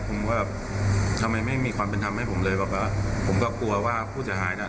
ผมก็แบบทำไมไม่มีความเป็นธรรมให้ผมเลยบอกว่าผมก็กลัวว่าผู้เสียหายน่ะ